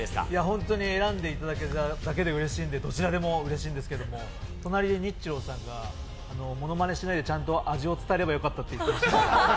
本当に選んでいただけただけでうれしいんですけど、隣でニッチローさんがものまねしないでちゃんと味を伝えればよかったと言ってます。